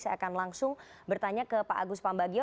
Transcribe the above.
saya akan langsung bertanya ke pak agus pambagio